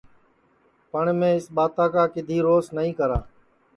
پٹؔ میں اِس ٻاتا کا کِدؔی روس نائی کرا